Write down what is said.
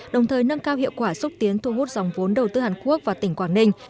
đồng thời nâng cao hiệu quả xúc tiến thu hút dòng vốn đầu tư hàn quốc và tỉnh quảng ninh